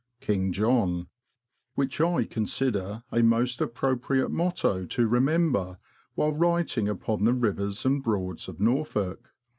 — King John ; which I consider a most appropriate motto to re member while writing upon the Rivers and Broads of Norfolk.